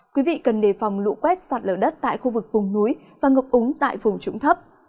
quý vị cần đề phòng lũ quét sạt lở đất tại khu vực vùng núi và ngập úng tại vùng trũng thấp